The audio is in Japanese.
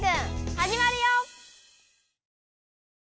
はじまるよ！